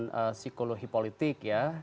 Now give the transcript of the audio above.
psikologi politik ya